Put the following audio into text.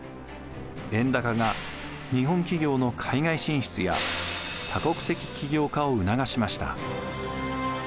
円高が日本企業の海外進出や多国籍企業化を促しました。